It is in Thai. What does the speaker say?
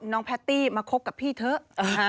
แพตตี้มาคบกับพี่เถอะ